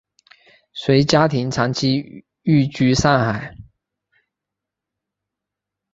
随家庭长期寓居上海。